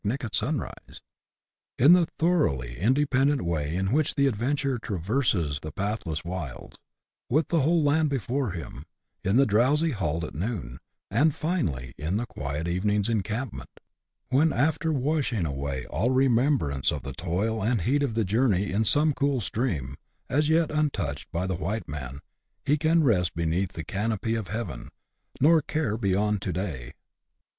21 nic, at sunrise ; in the thoroughly independent way in which the adventurer traverses the pathless wilds, with the whole land before him ; in the drowsy halt at noon, and finally in the quiet evening's encampment, when, after washing away all remem brance of the toil and heat of the journey in some cool stream, as yet untouched by the white man, he can rest beneath the canopy of heaven, " nor care beyond to day."